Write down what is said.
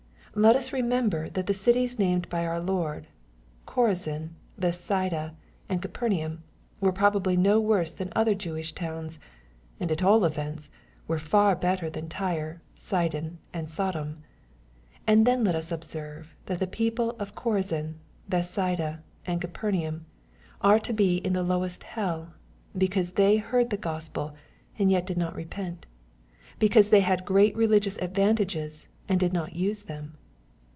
Let us remember that the cities named by our Lord, Chorazin, Bethsaida, and Capernaum, were probably no worse than other Jewish towns, and at all events, were far better than Tyre, Sidon, and Sodom. And then let us observe, that the people of Chorazin, Bethsaida, and Capernaum, are to be in the lowest hell, because they heard the Gospel, and yet did not repent — ^because they had great religious advantages, and did not use them.